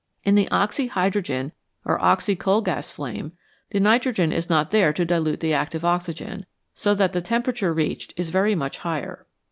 In the oxyhydrogen or oxy coal gas flame the nitrogen is not there to dilute the active oxygen, so that the temperature reached is very much higher.